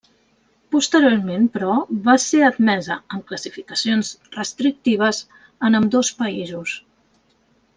Posteriorment, però, va ser admesa, amb classificacions restrictives, en ambdós països.